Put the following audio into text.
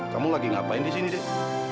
kamu lagi ngapain di sini deh